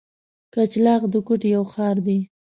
کچلاغ د کوټي یو ښار دی.